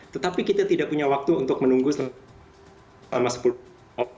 tetapi kita tidak punya waktu untuk menunggu selama sepuluh tahun